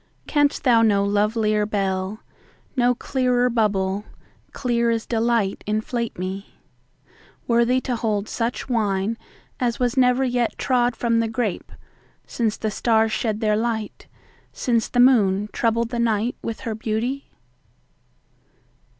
Canst thou no lovelier bell, No clearer bubble, clear as delight, inflate me—Worthy to hold such wineAs was never yet trod from the grape, Since the stars shed their light, since the moonTroubled the night with her beauty?